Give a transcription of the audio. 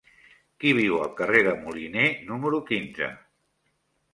Qui viu al carrer de Moliné número quinze?